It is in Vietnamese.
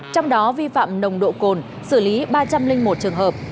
trong đó vi phạm nồng độ cồn xử lý ba trăm linh một trường hợp